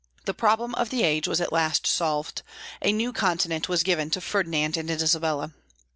The problem of the age was at last solved. A new continent was given to Ferdinand and Isabella.